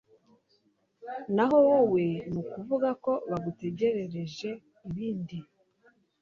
naho wowe ni ukuvuga ko bagutegerereje ibindi